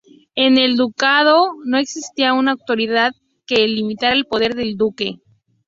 En el ducado no existía una autoridad que limitara el poder del Duque.